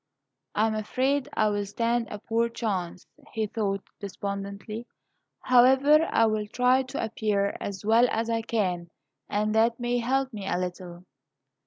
"I am afraid I will stand a poor chance," he thought, despondently; "however, I will try to appear as well as I can, and that may help me a little."